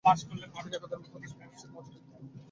তিনি একাধারে মুহাদ্দিস, মুফাসসির এবং মুজাদ্দিদ ছিলেন।